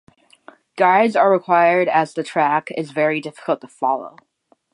Guides are required as the track is very difficult to follow.